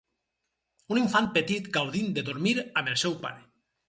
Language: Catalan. Un infant petit gaudint de dormir amb el seu pare.